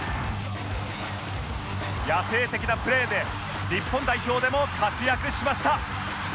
野性的なプレーで日本代表でも活躍しました